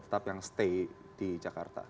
tetap yang stay di jakarta